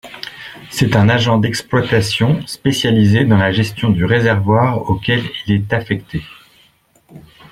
C'est un agent d'exploitation spécialisé dans la gestion du réservoir auquel il est affecté.